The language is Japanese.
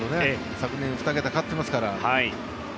昨年、２桁勝ってますから。